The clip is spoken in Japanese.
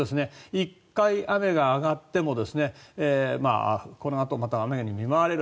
１回雨が上がってもこのあと、また雨に見舞われる。